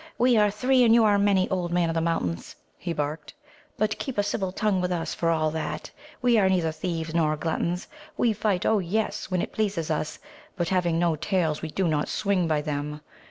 "We are three, and you are many, Old Man of the Mountains," he barked, "but keep a civil tongue with us, for all that. We are neither thieves nor gluttons. We fight, oh yes, when it pleases us. But having no tails, we do not swing by them.